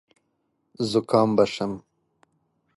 زکام به شم .